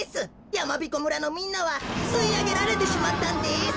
やまびこ村のみんなはすいあげられてしまったんです。